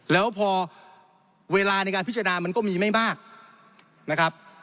แล้วพอเวลาในการพิจารณามันก็มีไม่มากนะครับ